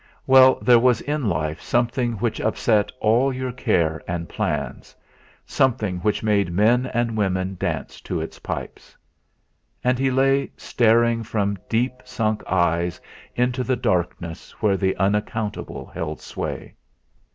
Well, there was in life something which upset all your care and plans something which made men and women dance to its pipes. And he lay staring from deep sunk eyes into the darkness where the unaccountable held sway.